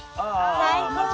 最高！